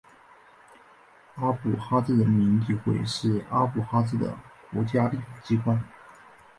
阿布哈兹人民议会是阿布哈兹的国家立法机关。